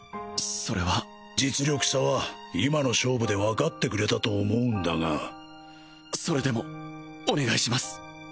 それは実力差は今の勝負で分かってくれたと思うんだがそれでもお願いします